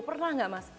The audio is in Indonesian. pernah gak mas